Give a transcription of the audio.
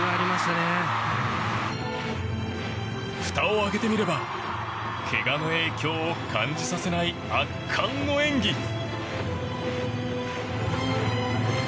ふたを開けてみればけがの影響を感じさせない圧巻の演技。